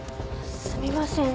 すみません。